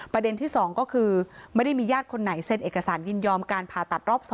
ประเด็นที่๒ก็คือไม่ได้มีญาติคนไหนเซ็นเอกสารยินยอมการผ่าตัดรอบ๒